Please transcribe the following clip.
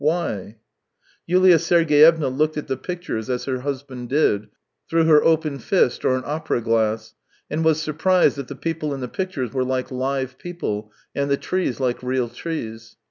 Why ? Yulia Sergeyevna looked at the pictures as THREE YEARS 271 her husband did, through her open fist or an opera glass, and was surprised that the people in the pictures were like live people, and the trees like real trees.